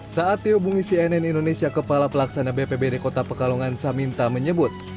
saat teobungi cnn indonesia kepala pelaksana bpbd kota pekalongan saminta menyebut